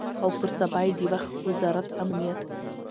او پر سبا یې د وخت وزارت امنیت